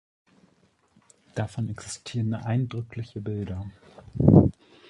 Davon existieren eindrückliche Bilder.